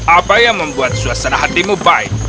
apa yang membuat suasana hatimu baik